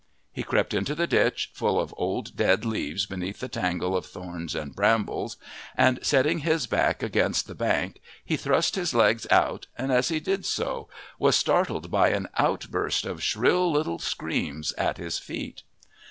He crept into the ditch, full of old dead leaves beneath the tangle of thorns and brambles, and setting his back against the bank he thrust his legs out, and as he did so was startled by an outburst of shrill little screams at his feet.